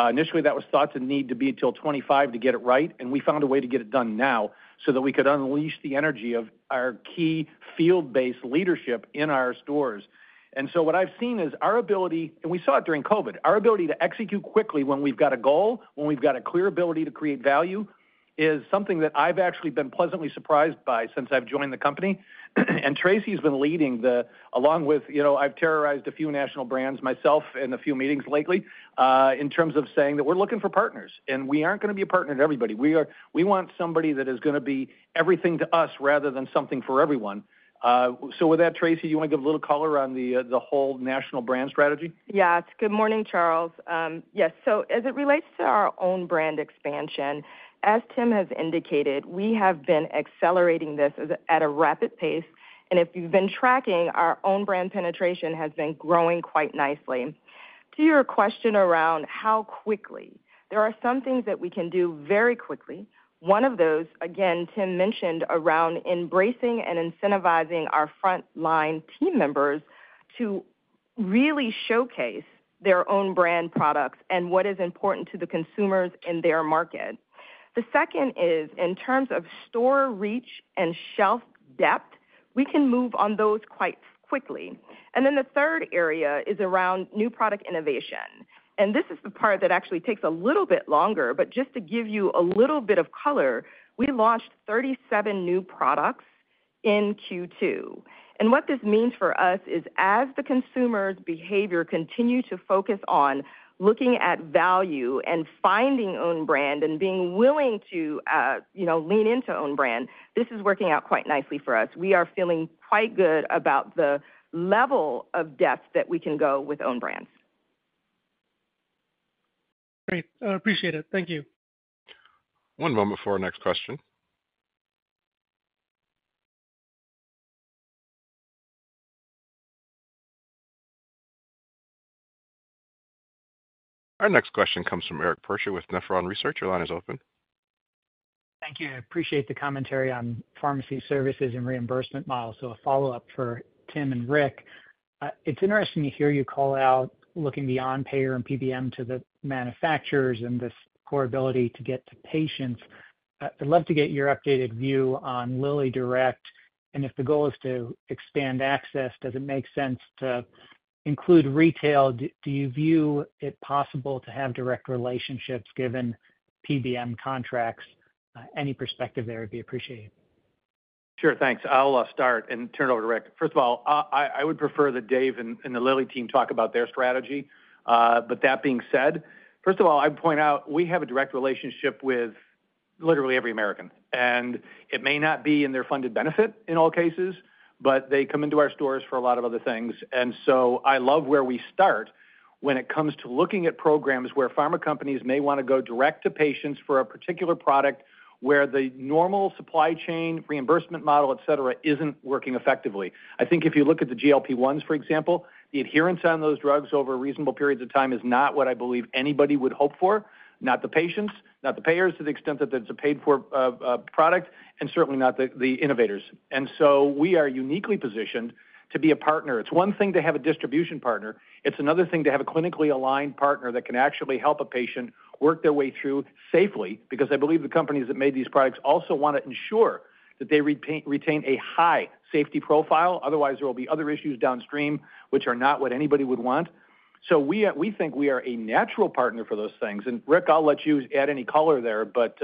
Initially, that was thought to need to be until 2025 to get it right, and we found a way to get it done now so that we could unleash the energy of our key field-based leadership in our stores. So what I've seen is our ability, and we saw it during COVID, our ability to execute quickly when we've got a goal, when we've got a clear ability to create value is something that I've actually been pleasantly surprised by since I've joined the company. And Tracey has been leading, along with you know I've terrorized a few national brands myself in a few meetings lately in terms of saying that we're looking for partners and we aren't going to be a partner to everybody. We want somebody that is going to be everything to us rather than something for everyone. So with that, Tracey, do you want to give a little color on the whole national brand strategy? Yeah, good morning, Charles. Yes, so as it relates to our own brand expansion, as Tim has indicated, we have been accelerating this at a rapid pace. And if you've been tracking, our own brand penetration has been growing quite nicely. To your question around how quickly, there are some things that we can do very quickly. One of those, again, Tim mentioned around embracing and incentivizing our front line team members to really showcase their own brand products and what is important to the consumers in their market. The second is in terms of store reach and shelf depth. We can move on those quite quickly. And then the third area is around new product innovation. And this is the part that actually takes a little bit longer, but just to give you a little bit of color, we launched 37 new products in Q2. And what this means for us is as the consumers' behavior continues to focus on looking at value and finding own brand and being willing to you know lean into own brand, this is working out quite nicely for us. We are feeling quite good about the level of depth that we can go with own brands. Great. Appreciate it. Thank you. One moment for our next question. Our next question comes from Eric Percher with Nephron Research. Your line is open. Thank you. I appreciate the commentary on pharmacy services and reimbursement model. So a follow-up for Tim and Rick. It's interesting to hear you call out looking beyond payer and PBM to the manufacturers and this core ability to get to patients. I'd love to get your updated view on LillyDirect. And if the goal is to expand access, does it make sense to include retail? Do you view it possible to have direct relationships given PBM contracts? Any perspective there would be appreciated. Sure, thanks. I'll start and turn it over to Rick. First of all, I would prefer that Dave and the Lilly team talk about their strategy. But that being said, first of all, I'd point out we have a direct relationship with literally every American. And it may not be in their funded benefit in all cases, but they come into our stores for a lot of other things. And so I love where we start when it comes to looking at programs where pharma companies may want to go direct to patients for a particular product where the normal supply chain reimbursement model, etc., isn't working effectively. I think if you look at the GLP-1s, for example, the adherence on those drugs over reasonable periods of time is not what I believe anybody would hope for, not the patients, not the payers to the extent that it's a paid-for product, and certainly not the innovators. And so we are uniquely positioned to be a partner. It's one thing to have a distribution partner. It's another thing to have a clinically aligned partner that can actually help a patient work their way through safely because I believe the companies that made these products also want to ensure that they retain a high safety profile. Otherwise, there will be other issues downstream, which are not what anybody would want. So we think we are a natural partner for those things. And Rick, I'll let you add any color there. But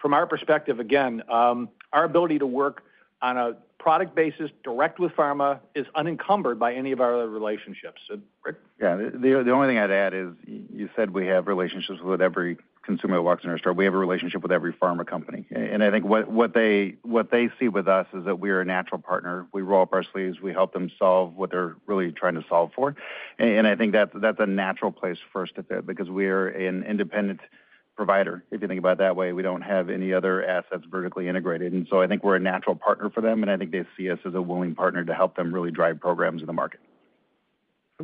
from our perspective, again, our ability to work on a product basis direct with pharma is unencumbered by any of our other relationships. Rick? Yeah, the only thing I'd add is you said we have relationships with every consumer that walks in our store. We have a relationship with every pharma company. And I think what they see with us is that we are a natural partner. We roll up our sleeves. We help them solve what they're really trying to solve for. I think that's a natural place for us to fit because we are an independent provider, if you think about it that way. We don't have any other assets vertically integrated. So I think we're a natural partner for them, and I think they see us as a willing partner to help them really drive programs in the market.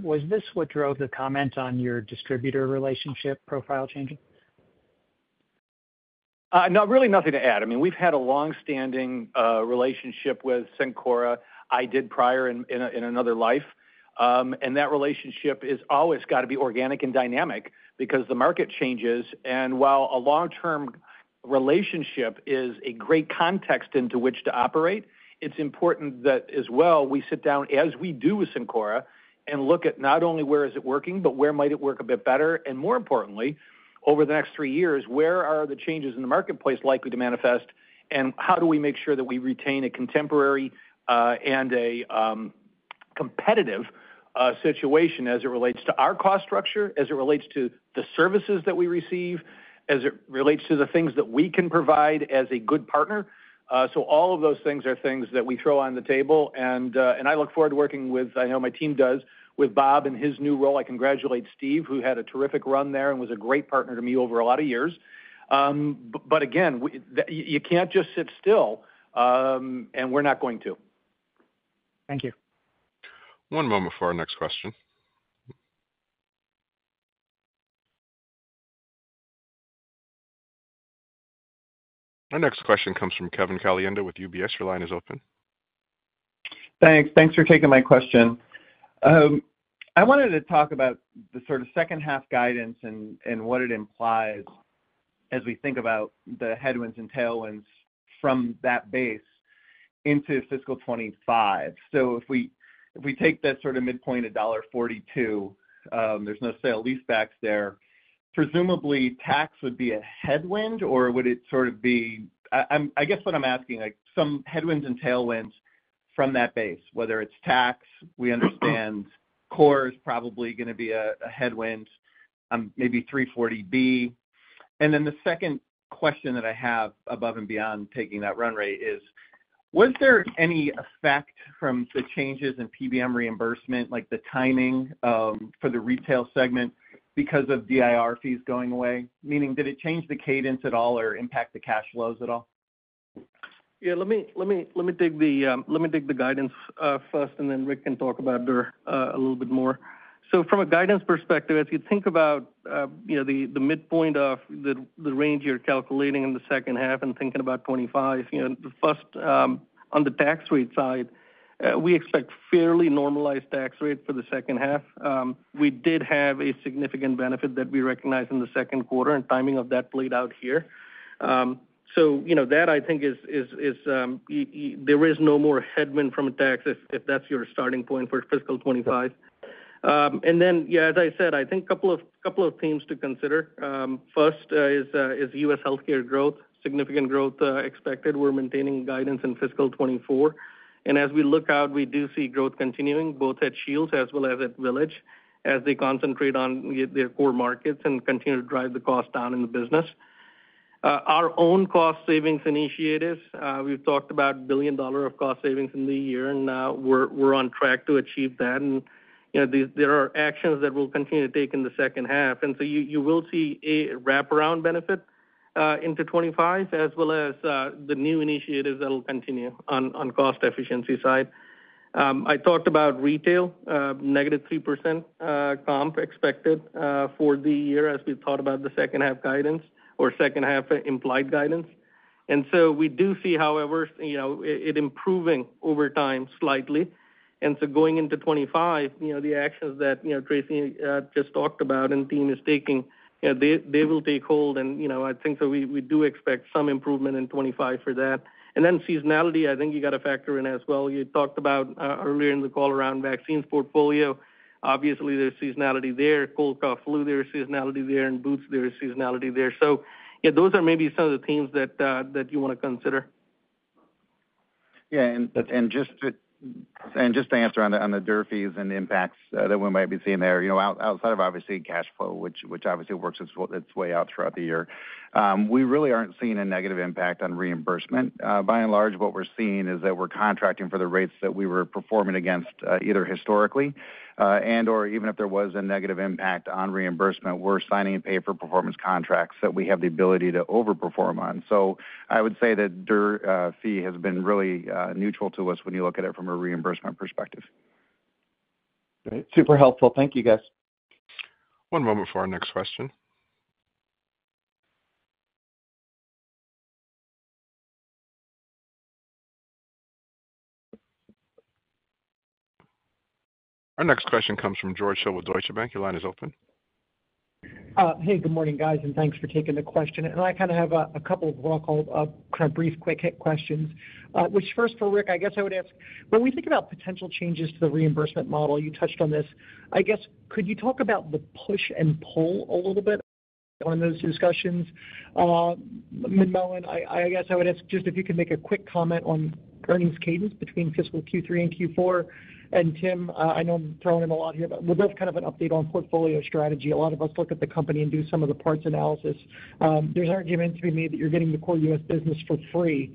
Was this what drove the comment on your distributor relationship profile changing? Not really nothing to add. I mean, we've had a longstanding relationship with Cencora. I did prior in another life. And that relationship has always got to be organic and dynamic because the market changes. While a long-term relationship is a great context into which to operate, it's important that as well we sit down as we do with Cencora and look at not only where is it working, but where might it work a bit better and more importantly, over the next three years, where are the changes in the marketplace likely to manifest and how do we make sure that we retain a contemporary and a competitive situation as it relates to our cost structure, as it relates to the services that we receive, as it relates to the things that we can provide as a good partner. So all of those things are things that we throw on the table. I look forward to working with, I know my team does, with Bob in his new role. I congratulate Steve, who had a terrific run there and was a great partner to me over a lot of years. But again, you can't just sit still, and we're not going to. Thank you. One moment for our next question. Our next question comes from Kevin Caliendo with UBS. Your line is open. Thanks. Thanks for taking my question. I wanted to talk about the sort of second half guidance and what it implies as we think about the headwinds and tailwinds from that base into fiscal 2025. So if we take that sort of midpoint $1.42, there's no sale leasebacks there. Presumably, tax would be a headwind, or would it sort of be? I guess what I'm asking, some headwinds and tailwinds from that base, whether it's tax. We understand core is probably going to be a headwind, maybe 340B. Then the second question that I have above and beyond taking that run rate is, was there any effect from the changes in PBM reimbursement, like the timing for the retail segment because of DIR fees going away? Meaning, did it change the cadence at all or impact the cash flows at all? Yeah, let me take the guidance first, and then Rick can talk about it a little bit more. So from a guidance perspective, as you think about the midpoint of the range you're calculating in the second half and thinking about 2025, first on the tax rate side, we expect fairly normalized tax rates for the second half. We did have a significant benefit that we recognized in the second quarter, and timing of that played out here. So that, I think, is. There is no more headwind from a tax if that's your starting point for fiscal 2025. Then, yeah, as I said, I think a couple of themes to consider. First is U.S. healthcare growth, significant growth expected. We're maintaining guidance in fiscal 2024. And as we look out, we do see growth continuing both at Shields as well as at Village as they concentrate on their core markets and continue to drive the cost down in the business. Our own cost savings initiatives, we've talked about $1 billion of cost savings in the year, and now we're on track to achieve that. And there are actions that we'll continue to take in the second half. And so you will see a wraparound benefit into 2025 as well as the new initiatives that will continue on cost efficiency side. I talked about retail, negative 3% comp expected for the year as we thought about the second half guidance or second half implied guidance. We do see, however, it improving over time slightly. Going into 2025, the actions that Tracey just talked about and the team is taking, they will take hold. I think so we do expect some improvement in 2025 for that. Seasonality, I think you got to factor in as well. You talked about earlier in the call around vaccines portfolio. Obviously, there's seasonality there. Cold, cough, flu, there's seasonality there. Boots, there's seasonality there. So yeah, those are maybe some of the themes that you want to consider. Yeah, and just to answer on the DIR fees and the impacts that we might be seeing there, outside of obviously cash flow, which obviously works its way out throughout the year. We really aren't seeing a negative impact on reimbursement. By and large, what we're seeing is that we're contracting for the rates that we were performing against either historically. And or even if there was a negative impact on reimbursement, we're signing and paying for performance contracts that we have the ability to overperform on. So I would say that DIR fee has been really neutral to us when you look at it from a reimbursement perspective. Great. Super helpful. Thank you, guys. One moment for our next question. Our next question comes from George Hill with Deutsche Bank. Your line is open. Hey, good morning, guys, and thanks for taking the question. And I kind of have a couple of what I'll call kind of brief quick hit questions. Which first for Rick, I guess I would ask, when we think about potential changes to the reimbursement model, you touched on this, I guess, could you talk about the push and pull a little bit on those discussions? Manmohan, I guess I would ask just if you can make a quick comment on earnings cadence between fiscal Q3 and Q4. And Tim, I know I'm throwing in a lot here, but we'd love kind of an update on portfolio strategy. A lot of us look at the company and do some of the parts analysis. There's argument to be made that you're getting the core U.S. business for free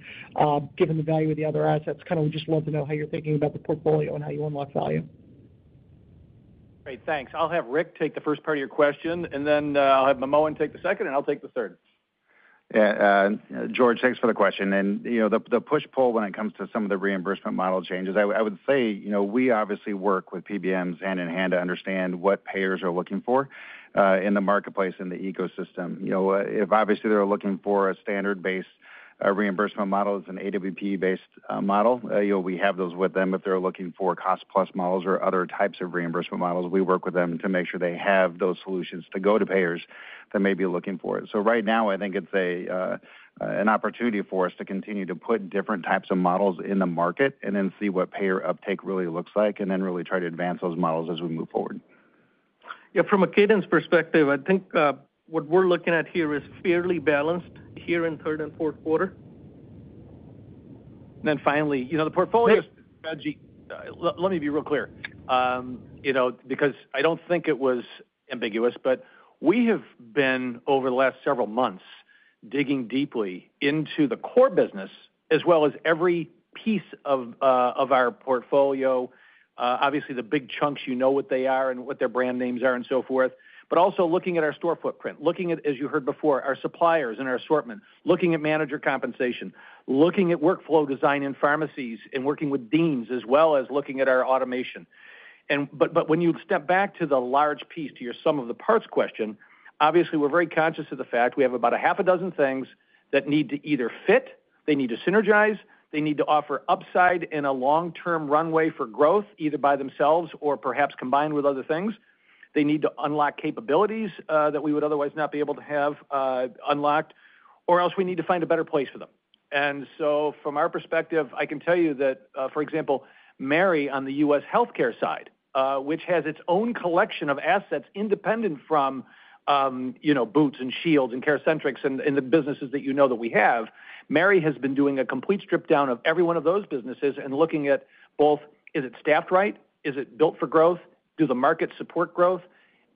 given the value of the other assets. Kind of we just love to know how you're thinking about the portfolio and how you unlock value. Great, thanks. I'll have Rick take the first part of your question, and then I'll have Manmohan take the second, and I'll take the third. Yeah, George, thanks for the question. The push pull when it comes to some of the reimbursement model changes, I would say we obviously work with PBMs hand in hand to understand what payers are looking for in the marketplace, in the ecosystem. If obviously they're looking for a standard-based reimbursement model that's an AWP-based model, we have those with them. If they're looking for cost-plus models or other types of reimbursement models, we work with them to make sure they have those solutions to go to payers that may be looking for it. So right now, I think it's an opportunity for us to continue to put different types of models in the market and then see what payer uptake really looks like and then really try to advance those models as we move forward. Yeah, from a cadence perspective, I think what we're looking at here is fairly balanced here in third and fourth quarter. And then finally, the portfolio strategy, let me be real clear. Because I don't think it was ambiguous, but we have been over the last several months digging deeply into the core business as well as every piece of our portfolio. Obviously, the big chunks, you know what they are and what their brand names are and so forth. But also looking at our store footprint, looking at, as you heard before, our suppliers and our assortment, looking at manager compensation, looking at workflow design in pharmacies and working with deans as well as looking at our automation. But when you step back to the large piece, to your sum of the parts question, obviously we're very conscious of the fact we have about 6 things that need to either fit, they need to synergize, they need to offer upside in a long-term runway for growth either by themselves or perhaps combined with other things. They need to unlock capabilities that we would otherwise not be able to have unlocked, or else we need to find a better place for them. And so from our perspective, I can tell you that, for example, Mary on the U.S. healthcare side, which has its own collection of assets independent from Boots and Shields and CareCentrix and the businesses that you know that we have, Mary has been doing a complete strip down of every one of those businesses and looking at both, is it staffed right? Is it built for growth? Do the markets support growth?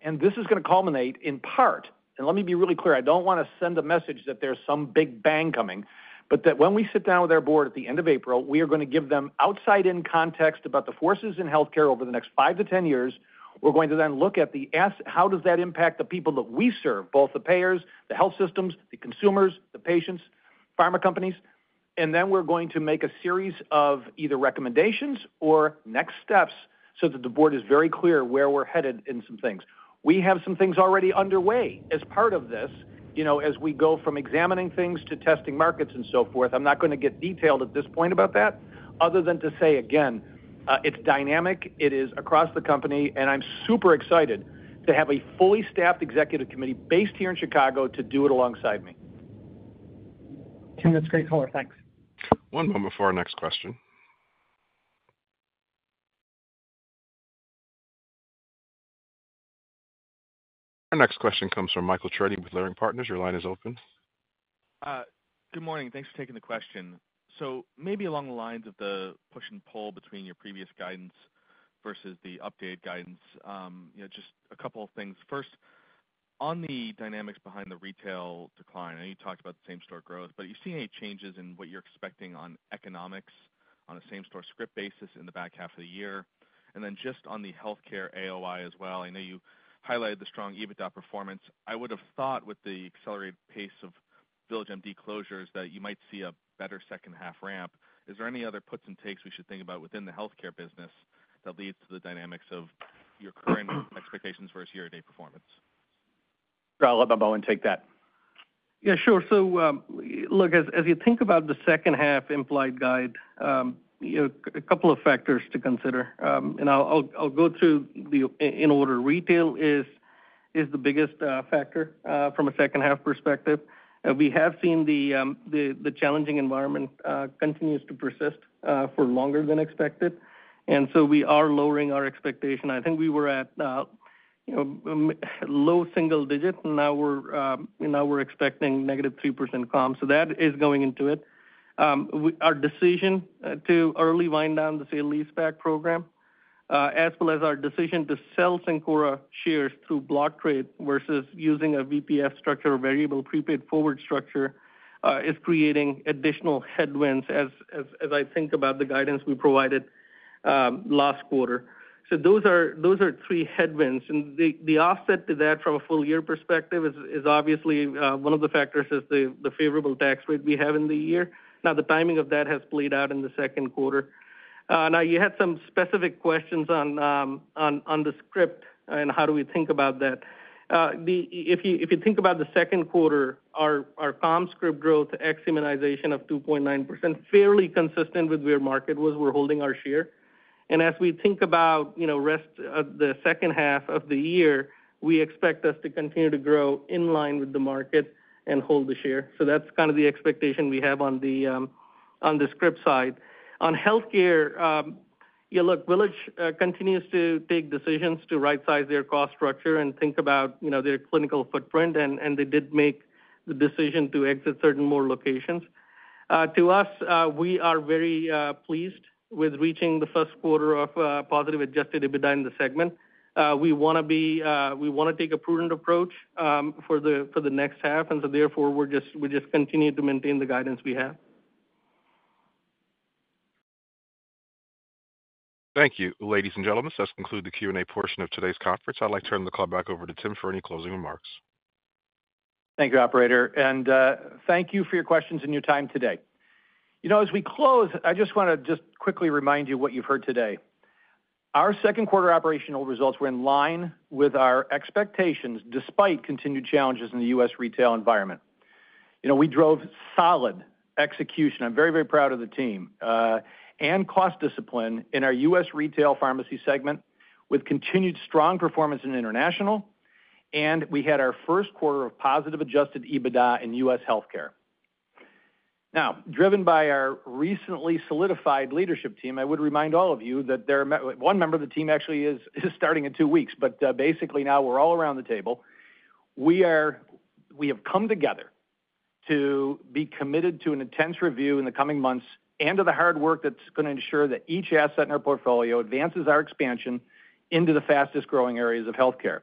And this is going to culminate in part, and let me be really clear, I don't want to send a message that there's some big bang coming, but that when we sit down with our board at the end of April, we are going to give them outside-in context about the forces in healthcare over the next 5-10 years. We're going to then look at the ask, how does that impact the people that we serve, both the payers, the health systems, the consumers, the patients, pharma companies? And then we're going to make a series of either recommendations or next steps so that the board is very clear where we're headed in some things. We have some things already underway as part of this, as we go from examining things to testing markets and so forth. I'm not going to get detailed at this point about that, other than to say again, it's dynamic. It is across the company. And I'm super excited to have a fully staffed executive committee based here in Chicago to do it alongside me. Tim, that's great color. Thanks. One moment for our next question. Our next question comes from Michael Cherny with Leerink Partners. Your line is open. Good morning. Thanks for taking the question. So maybe along the lines of the push and pull between your previous guidance versus the updated guidance, just a couple of things. First, on the dynamics behind the retail decline, I know you talked about the same-store growth, but you've seen any changes in what you're expecting on economics on a same-store script basis in the back half of the year? And then just on the healthcare AOI as well, I know you highlighted the strong EBITDA performance. I would have thought with the accelerated pace of VillageMD closures that you might see a better second half ramp. Is there any other puts and takes we should think about within the healthcare business that leads to the dynamics of your current expectations versus year-to-date performance? Sure. I'll let Manmohan take that. Yeah, sure. So look, as you think about the second half implied guide, a couple of factors to consider. I'll go through them in order. Retail is the biggest factor from a second half perspective. We have seen the challenging environment continues to persist for longer than expected. And so we are lowering our expectation. I think we were at low single-digit, and now we're expecting -3% comp. So that is going into it. Our decision to early wind down the sale-leaseback program, as well as our decision to sell Cencora shares through block trade versus using a VPF structure or variable prepaid forward structure, is creating additional headwinds as I think about the guidance we provided last quarter. So those are three headwinds. And the offset to that from a full year perspective is obviously one of the factors is the favorable tax rate we have in the year. Now, the timing of that has played out in the second quarter. Now, you had some specific questions on the script and how do we think about that. If you think about the second quarter, our comp script growth, immunization of 2.9%, fairly consistent with where market was, we're holding our share. And as we think about the rest of the second half of the year, we expect us to continue to grow in line with the market and hold the share. So that's kind of the expectation we have on the script side. On healthcare, look, Village continues to take decisions to right-size their cost structure and think about their clinical footprint. And they did make the decision to exit certain more locations. To us, we are very pleased with reaching the first quarter of positive Adjusted EBITDA in the segment. We want to take a prudent approach for the next half. And so therefore, we just continue to maintain the guidance we have. Thank you, ladies and gentlemen. That concludes the Q&A portion of today's conference. I'd like to turn the call back over to Tim for any closing remarks. Thank you, operator. And thank you for your questions and your time today. As we close, I just want to just quickly remind you what you've heard today. Our second quarter operational results were in line with our expectations despite continued challenges in the U.S. retail environment. We drove solid execution. I'm very, very proud of the team. And cost discipline in our U.S. retail pharmacy segment with continued strong performance in international. And we had our first quarter of positive Adjusted EBITDA in U.S. healthcare. Now, driven by our recently solidified leadership team, I would remind all of you that there are one member of the team actually is starting in two weeks, but basically now we're all around the table. We have come together to be committed to an intense review in the coming months and to the hard work that's going to ensure that each asset in our portfolio advances our expansion into the fastest growing areas of healthcare.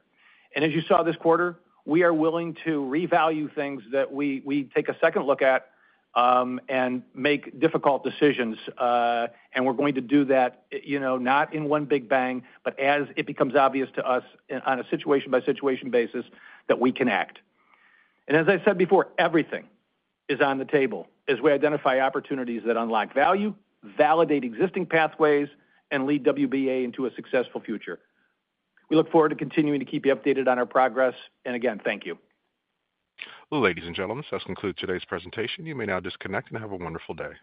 And as you saw this quarter, we are willing to revalue things that we take a second look at and make difficult decisions. And we're going to do that not in one big bang, but as it becomes obvious to us on a situation-by-situation basis that we can act. And as I said before, everything is on the table as we identify opportunities that unlock value, validate existing pathways, and lead WBA into a successful future. We look forward to continuing to keep you updated on our progress. And again, thank you. Well, ladies and gentlemen, that concludes today's presentation. You may now disconnect and have a wonderful day.